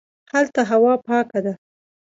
هلته هوا پاکه ده